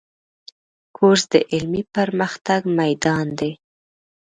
کورس د علمي پرمختګ میدان دی.